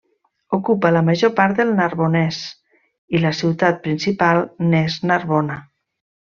Ocupa la major part del Narbonès i la ciutat principal n'és Narbona.